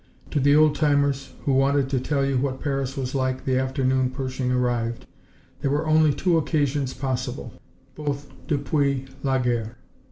To the old timers who wanted to tell you what Paris was like the afternoon Pershing arrived, there were only two occasions possible, both "Depuis la guerre."